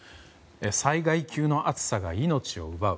災害級の暑さが命を奪う。